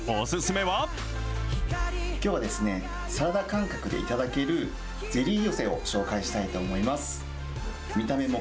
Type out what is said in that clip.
きょうはですね、サラダ感覚で頂けるゼリー寄せを紹介したいと思います。